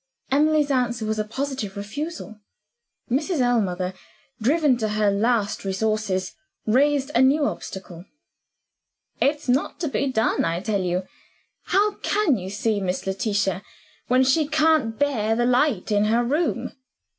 Emily's answer was a positive refusal. Mrs. Ellmother, driven to her last resources, raised a new obstacle. "It's not to be done, I tell you! How can you see Miss Letitia when she can't bear the light in her room?